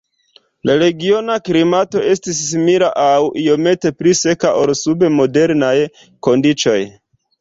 La regiona klimato estis simila aŭ iomete pli seka ol sub modernaj kondiĉoj.